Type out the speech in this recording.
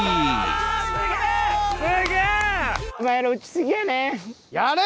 すげえ！